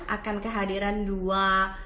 akan kehadiran dua